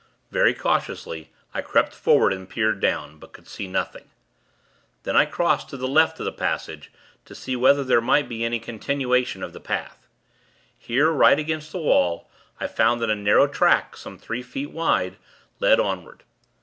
Very cautiously, I crept forward, and peered down; but could see nothing. Then, I crossed to the left of the passage, to see whether there might be any continuation of the path. Here, right against the wall, I found that a narrow track, some three feet wide, led onward.